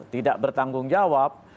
tidak bertanggung jawab